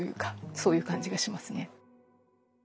そういう感じがしますね。